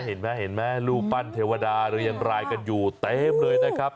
เห็นไหมเห็นไหมรูปปั้นเทวดาเรียงรายกันอยู่เต็มเลยนะครับ